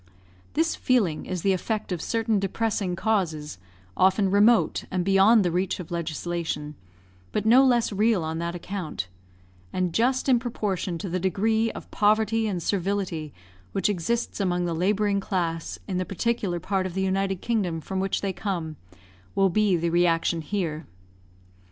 This feeling is the effect of certain depressing causes, often remote and beyond the reach of legislation, but no less real on that account; and just in proportion to the degree of poverty and servility which exists among the labouring class in the particular part of the United Kingdom from which they come, will be the reaction here.